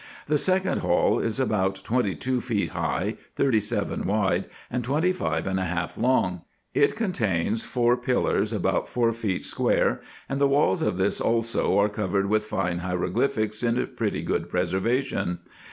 The second hall is about twenty two feet high, thirty seven wide, and twenty five and a half long. It contains four pillars about four feet square ; and the walls of tins also are covered with fine hieroglyphics in pretty good preservation.